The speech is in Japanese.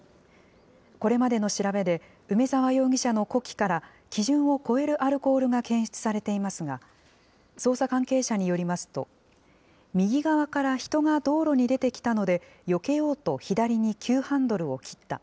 これまでの調べで、梅澤容疑者の呼気から基準を超えるアルコールが検出されていますが、捜査関係者によりますと、右側から人が道路に出てきたので、よけようと左に急ハンドルを切った。